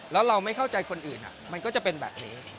แล้วเราไม่เข้าใจคนอื่นมันก็จะเป็นแบบนี้